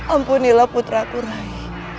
ampunilah putraku rai